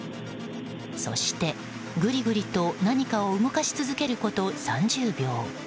そして、ぐりぐりと何かを動かし続けること３０秒。